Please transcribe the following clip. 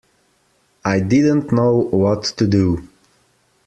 I didn't know what to do.